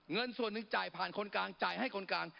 เงินส่วนหนึ่งจ่ายผ่านคนกลางจ่ายให้คนกลาง